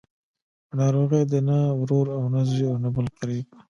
په ناروغۍ دې نه ورور او نه زوی او نه بل قريب.